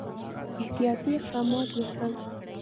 احتیاطي اقدمات وکړل.